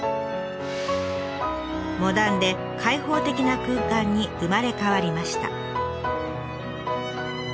モダンで開放的な空間に生まれ変わりました。